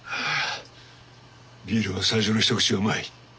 ビールは最初の一口がうまい。